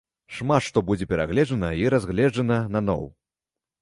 Шмат што будзе перагледжана і разгледжана наноў.